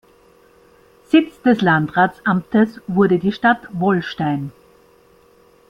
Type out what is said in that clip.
Sitz des Landratsamtes wurde die Stadt Wollstein.